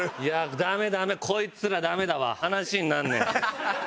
ダメダメこいつらダメだわ話になんねえ。